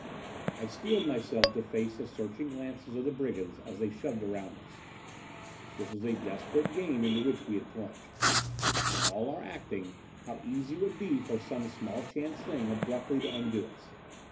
I steeled myself to face the searching glances of the brigands as they shoved around us. This was a desperate game into which we had plunged! For all our acting, how easy it would be for some small chance thing abruptly to undo us!